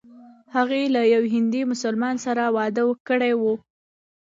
هغې له یوه هندي مسلمان سره واده کړی و.